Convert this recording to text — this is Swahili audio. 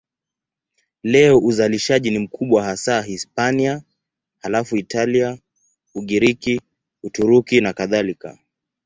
Leo uzalishaji ni mkubwa hasa Hispania, halafu Italia, Ugiriki, Uturuki nakadhalika.